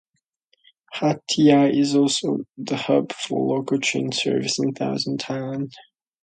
Hat Yai is also the hub for local train services in southern Thailand.